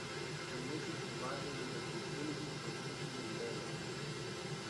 The missions provide her with opportunities for teaching and learning.